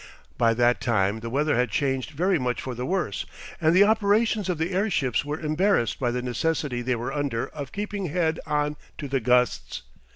By that time the weather had changed very much for the worse, and the operations of the airships were embarrassed by the necessity they were under of keeping head on to the gusts.